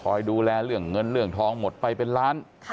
ดูแลเรื่องเงินเรื่องทองหมดไปเป็นล้าน